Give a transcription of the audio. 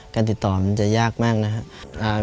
การติดต่อมันจะยากมากนะครับ